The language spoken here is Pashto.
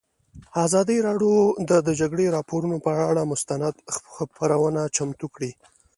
ازادي راډیو د د جګړې راپورونه پر اړه مستند خپرونه چمتو کړې.